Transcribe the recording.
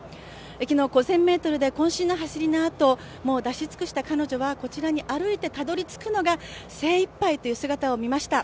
昨日、５０００ｍでこん身の走りのあともう出し尽くした彼女は、こちらに歩いてたどりつくのが精いっぱいという姿を見ました。